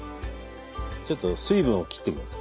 ちょっと水分を切っていきます。